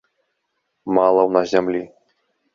Мала ў нас зямлі.